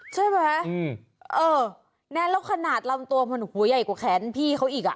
ใช่ไหมเออแน่แล้วขนาดลำตัวมันหัวใหญ่กว่าแขนพี่เขาอีกอ่ะ